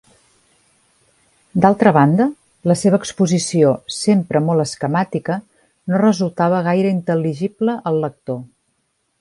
D'altra banda, la seva exposició, sempre molt esquemàtica, no resultava gaire intel·ligible al lector.